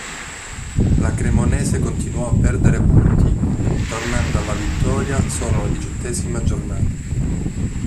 La Cremonese continuò a perdere punti, tornando alla vittoria solo alla diciottesima giornata.